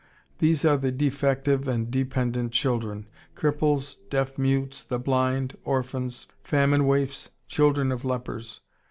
These are the defective and dependent children, cripples, deaf mutes, the blind, orphans, famine waifs, children of lepers.